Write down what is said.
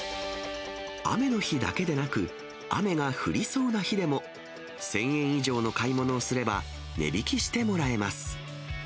雨の日だけでなく、雨が降りそうな日でも、１０００円以上の買い物をすれば、値引きしてもらえます。